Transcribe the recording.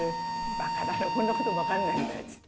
「バカだなこんなことも分かんないのかい」っつって。